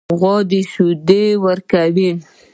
غوا شیدې ورکوي.